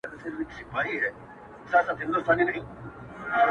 څوك به اخلي د پېړيو كساتونه-